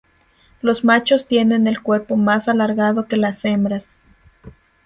Los machos tienen el cuerpo más alargado que las hembras.